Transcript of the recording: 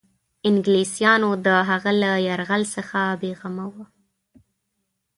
انګلیسیانو د هغه له یرغل څخه بېغمه وه.